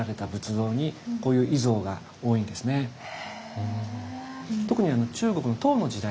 へえ。